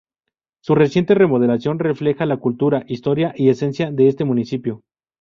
Su reciente remodelación refleja la cultura, historia y esencia de este municipio.